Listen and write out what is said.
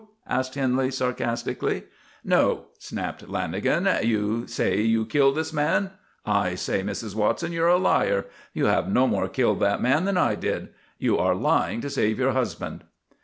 asked Henley sarcastically. "No," snapped Lanagan. "You say you killed this man. I say, Mrs. Watson, you're a liar. You no more killed that man than I did. You are lying to save your husband!"